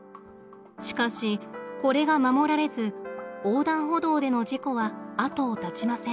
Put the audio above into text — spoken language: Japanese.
しかしこれが守られず横断歩道での事故は後を絶ちません。